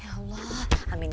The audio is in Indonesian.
ya allah amin